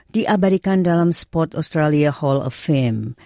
diabadikan dalam sport australia hall of fame